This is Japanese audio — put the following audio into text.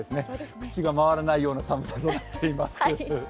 口が回らないような寒さとなっています。